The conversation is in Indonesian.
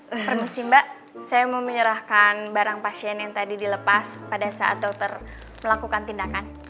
reformasi mbak saya mau menyerahkan barang pasien yang tadi dilepas pada saat dokter melakukan tindakan